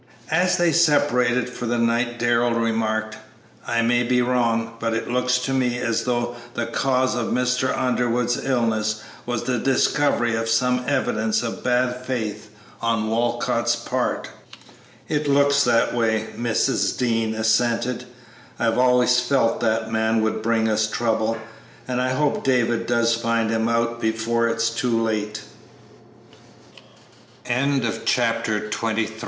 As they separated for the night Darrell remarked, "I may be wrong, but it looks to me as though the cause of Mr. Underwood's illness was the discovery of some evidence of bad faith on Walcott's part." "It looks that way," Mrs. Dean assented; "I've always felt that man would bring us trouble, and I hope David does find him out before it's too late." Chapter XXIV FORESHADOWINGS During Mr. Underwood's i